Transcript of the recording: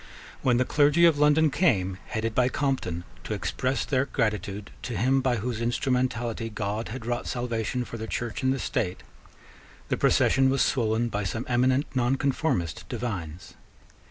When the clergy of London came, headed by Compton, to express their gratitude to him by whose instrumentality God had wrought salvation for the Church and the State, the procession was swollen by some eminent nonconformist divines.